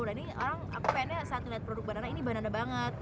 jadi orang aku pengennya saat liat produk banana ini banana banget